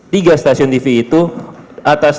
tiga stasiun tv itu atas